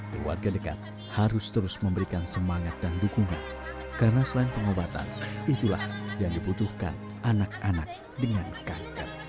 keluarga dekat harus terus memberikan semangat dan dukungan karena selain pengobatan itulah yang dibutuhkan anak anak dengan kanker